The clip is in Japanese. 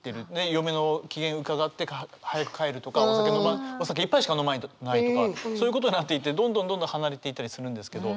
嫁の機嫌伺ってか早く帰るとかお酒一杯しか飲まないとかそういうことになっていってどんどんどんどん離れていったりするんですけど。